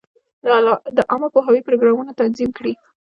د عامه پوهاوي پروګرامونه تنظیم کړي.